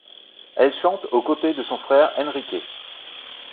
Elle chante aux côtés de son frère Enrique.